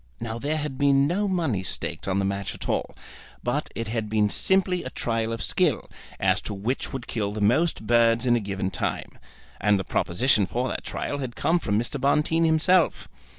Now there had been no money staked on the match at all, but it had been simply a trial of skill, as to which would kill the most birds in a given time. And the proposition for that trial had come from Mr. Bonteen himself.